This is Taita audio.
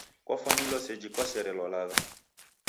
Kwafwanilwa seji kwaserelwa lagha.